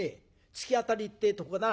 突き当たりってえとここだな。